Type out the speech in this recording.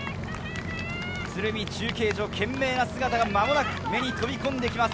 中継所、懸命な姿が間もなく目に飛び込んできます。